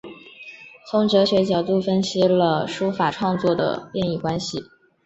从哲学角度分析了书法创作的变易关系。